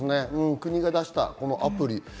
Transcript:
国が出したアプリ。